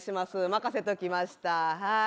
任せときましたはい。